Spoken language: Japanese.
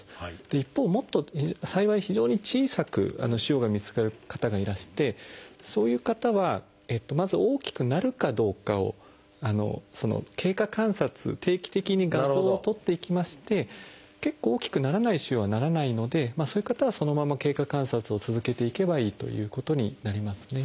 一方もっと幸い非常に小さく腫瘍が見つかる方がいらしてそういう方はまず大きくなるかどうかをあの経過観察定期的に画像を撮っていきまして結構大きくならない腫瘍はならないのでそういう方はそのまま経過観察を続けていけばいいということになりますね。